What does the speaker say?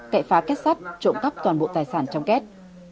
cậy phá kết sắt trộm cắp toàn bộ tài sản trong kết